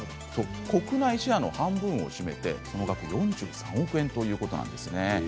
国内シェアの半分を占めてその額、４３億円ということなんですね。